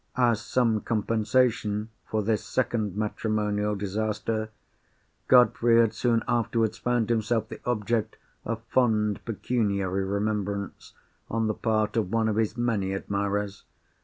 As some compensation for this second matrimonial disaster, Godfrey had soon afterwards found himself the object of fond pecuniary remembrance, on the part of one of his many admirers.